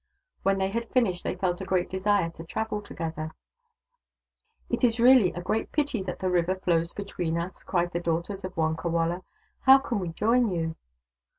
When they had finished they felt a great desire to travel together. "It is really a great pity that the river flows between us," cried the daughters of Wonkawala. " How can we join you